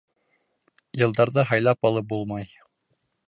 — Йылдарҙы һайлап алып булмай.